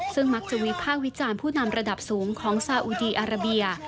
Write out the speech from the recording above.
ซึ่งมักจะวิภาควิจารณ์ผู้นำระดับสูงของซาอุดีอาราเบีย